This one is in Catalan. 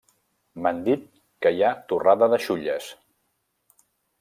M’han dit que hi ha torrada de xulles.